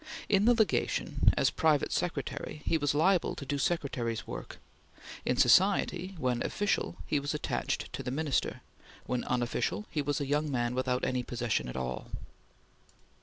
In the Legation, as private secretary, he was liable to do Secretary's work. In society, when official, he was attached to the Minister; when unofficial, he was a young man without any position at all.